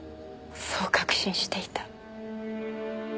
そう確信していた。